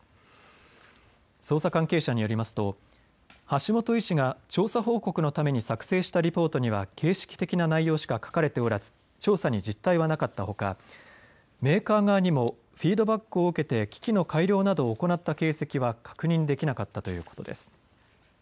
捜査関係者によりますと橋本医師が調査報告のために作成したリポートには形式的な内容しか書かれておらず調査に実態はなかったほか、メーカー側にもフィードバックを受けて機器の改良などを行った形跡は確認できなかったということです。